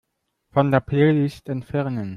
Von der Playlist entfernen.